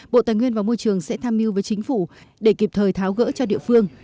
bộ tài nguyên và môi trường sẽ tham mưu với chính phủ để kịp thời tháo gỡ cho địa phương